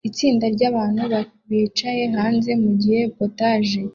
Itsinda ryabantu bicaye hanze mugihe POTAGE